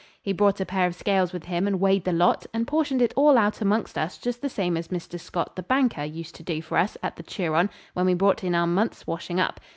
He brought a pair of scales with him and weighed the lot, and portioned it all out amongst us just the same as Mr. Scott, the banker, used to do for us at the Turon when we brought in our month's washing up.